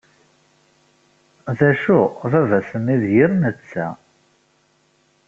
D acu, baba-s-nni d yir netta.